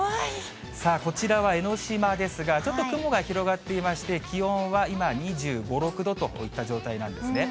さあこちらは江の島ですが、ちょっと雲が広がっていまして、気温は今２５、６度といった状態なんですね。